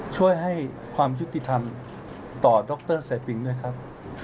ช่วยให้ความยุติธรรมต่อดรเซปิงด้วยครับ